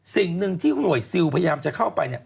สิ่งหนึ่งที่หน่วยซิลพยายามจะเข้าไป